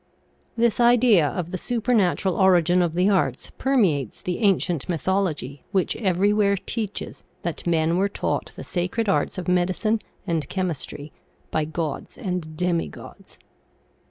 " This idea of the supernatural origin of the arts perme ates the ancient mythology which everywhere teaches that men were taught the sacred arts of medicine and chemis try by gods and demigods.